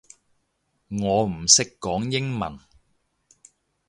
我唔識講英文